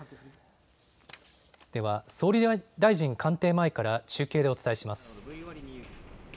では総理大臣官邸前から中継でお伝えします。